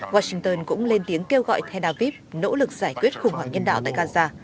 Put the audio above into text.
washington cũng lên tiếng kêu gọi theda vip nỗ lực giải quyết khủng hoảng nhân đạo tại gaza